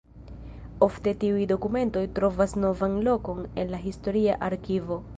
Ofte tiuj dokumentoj trovas novan lokon en la historia arkivo.